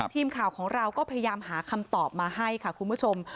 ทีมข่าวของเราก็พยายามหาคำตอบมาให้ค่ะคุณผู้ชม